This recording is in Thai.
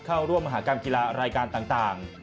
เข้าร่วมมหากรรมกีฬารายการต่าง